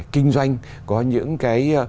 kinh doanh có những cái